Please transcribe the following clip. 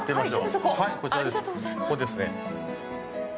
ここですね